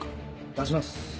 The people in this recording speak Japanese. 出します。